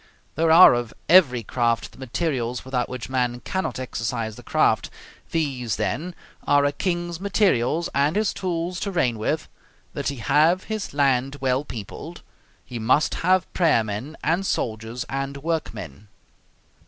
There are of every craft the materials without which man cannot exercise the craft. These, then, are a king's materials and his tools to reign with: that he have his land well peopled; he must have prayer men, and soldiers, and workmen.